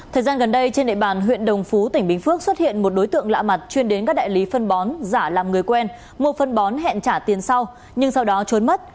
thời gian gần đây trên địa bàn huyện đồng phú tỉnh bình phước xuất hiện một đối tượng lạ mặt chuyên đến các đại lý phân bón giả làm người quen mua phân bón hẹn trả tiền sau nhưng sau đó trốn mất